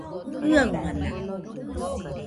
Jiaɨamana